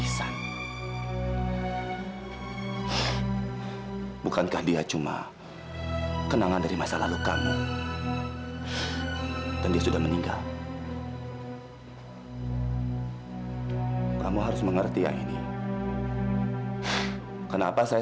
sampai jumpa di video selanjutnya